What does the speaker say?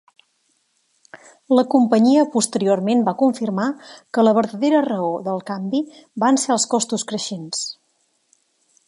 La companyia posteriorment va confirmar que la verdader raó del canvi van ser els costos creixents.